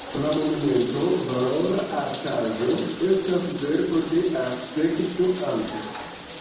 La monumento, valora artaĵo, estas verko de arkitekto Ant.